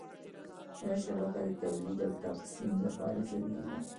دا شبکه د تولید او تقسیم لپاره ضروري وه.